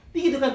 begitu kan pak